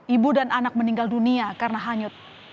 ibu dan anak meninggal dunia karena hanyut